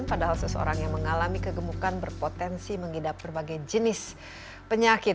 padahal seseorang yang mengalami kegemukan berpotensi mengidap berbagai jenis penyakit